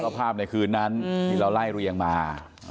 แล้วภาพในคืนนั้นที่เราไล่เรียงมา